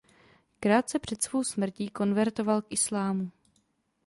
Krátce před svou smrtí konvertoval k islámu.